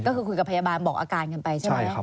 ก็คือคุยกับพยาบาลบอกอาการกันไปใช่ไหม